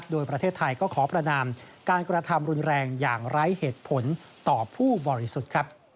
โดยประเทศไทยก็ขอประนามการกระทำรุนแรงอย่างไร้เหตุผลต่อผู้บริสุทธิ์